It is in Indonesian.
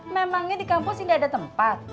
memangnya di kampus ini ada tempat